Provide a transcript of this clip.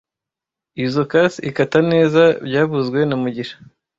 Izoi kasi ikata neza byavuzwe na mugisha